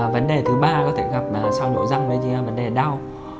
vấn đề thứ ba có thể gặp là sau nhổ răng mới diễn ra vấn đề đau